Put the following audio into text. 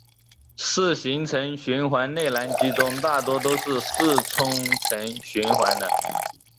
四行程循环内燃机中大多都是四冲程循环的。